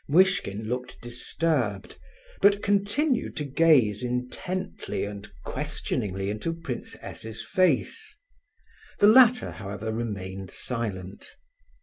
Muiskhin looked disturbed, but continued to gaze intently and questioningly into Prince S.'s face. The latter, however, remained silent.